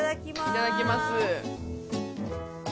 いただきます。